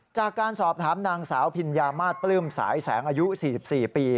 จากการสอบถามนางสาวพิญญามาศปลื้มสายแสงอายุ๔๔ปี